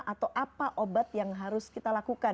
atau apa obat yang harus kita lakukan